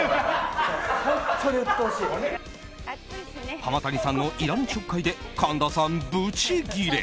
浜谷さんのいらぬちょっかいで神田さん、ブチ切れ！